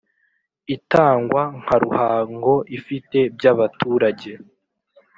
itangwa nka Ruhango ifite by abaturage